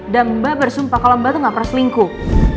dan mbak bersumpah kalau mbak tuh gak peras lingkup